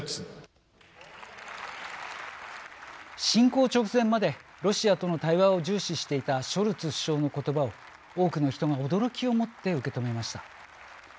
侵攻直前までロシアとの対話を重視していたショルツ首相のことばを多くの人が驚きを持って受け止めました。